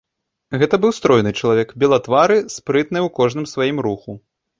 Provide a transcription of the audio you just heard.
Гэта быў стройны чалавек, белатвары, спрытны ў кожным сваім руху.